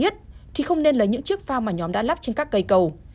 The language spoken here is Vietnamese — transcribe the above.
thì không nên lấy những chiếc phao mà nhóm đã lắp trên các cây cầu